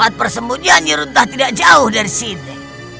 saat persembunyian nyiruntar tidak jauh dari sini